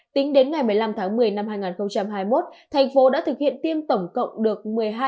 tính đến ngày một mươi năm tháng một mươi năm hai nghìn hai mươi một thành phố đã thực hiện tiêm tổng cộng được